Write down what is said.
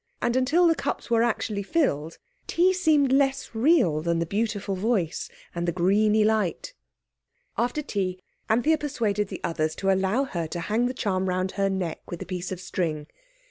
And until the cups were actually filled tea seemed less real than the beautiful voice and the greeny light. After tea Anthea persuaded the others to allow her to hang the charm round her neck with a piece of string.